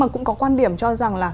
cũng có quan điểm cho rằng là